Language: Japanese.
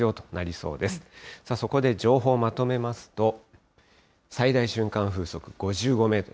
そこで情報をまとめますと、最大瞬間風速５５メートル。